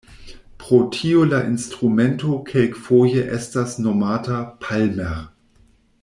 Pro tio la instrumento kelkfoje estas nomata "palmer".